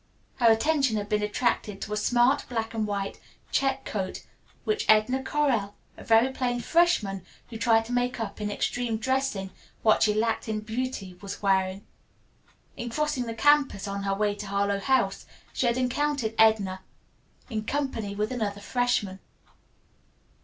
Her attention had been attracted to a smart black and white check coat which Edna Correll, a very plain freshman who tried to make up in extreme dressing what she lacked in beauty, was wearing. In crossing the campus on her way to Harlowe House she had encountered Edna in company with another freshman.